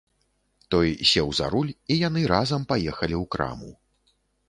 Той сеў за руль, і яны разам паехалі ў краму.